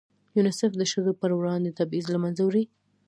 یونیسف د ښځو په وړاندې تبعیض له منځه وړي.